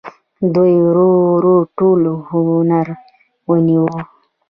دوی ورو ورو ټول هند ونیو.